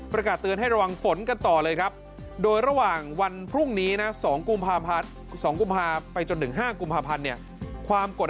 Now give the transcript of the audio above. ประกาศเตือนให้ระวังฝนกันต่อเลยครับโดยระหว่างวันพรุ่งนี้นะ๒กุมภาไปจนถึง๕กุมภาพันธ์เนี่ยความกด